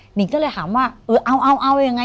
หนึ่งก็เลยถามว่าเอายังไง